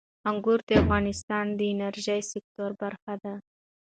انګور د افغانستان د انرژۍ سکتور برخه ده.